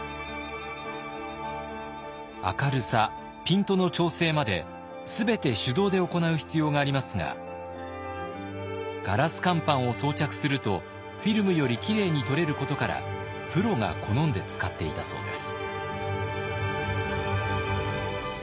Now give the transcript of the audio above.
明るさピントの調整まで全て手動で行う必要がありますがガラス乾板を装着するとフィルムよりきれいに撮れることからプロが好んで使っていたそうです。